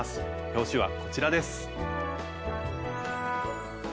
表紙はこちらです。